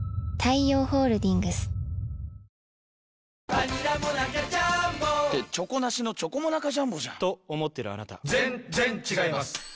バニラモナカジャーンボって「チョコなしのチョコモナカジャンボ」じゃんと思ってるあなた．．．ぜんっぜんっ違います